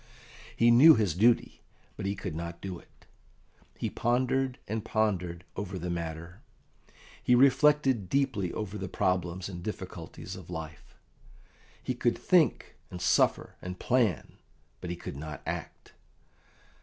He knew his duty, but he could not do it. He pondered and pondered over the matter, he reflected deeply over the problems and difficulties of life; he could think, and suffer, and plan, but he could not act.